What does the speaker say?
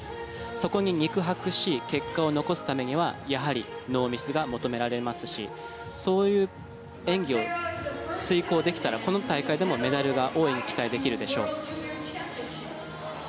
そこに肉薄し結果を残すためにはやはりノーミスが求められますしそういう演技を遂行できたらこの大会でもメダルが大いに期待できるでしょう。